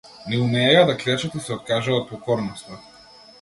Не умееја да клечат и се откажаа од покорноста.